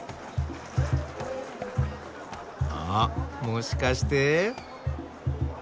あもしかして？